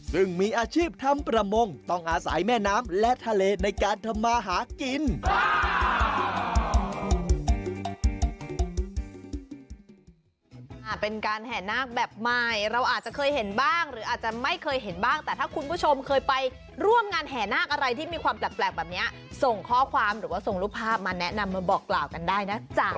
ซึ่งมีอาชีพทำประมงต้องอาศัยแม่น้ำและทะเลในการทำมาหากิน